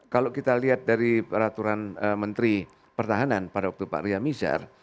kalau kita lihat dari peraturan menteri pertahanan pada waktu pak ria mizar